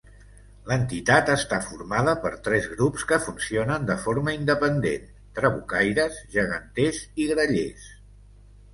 L'entitat està formada per tres grups que funcionen de forma independent: trabucaires, geganters i grallers.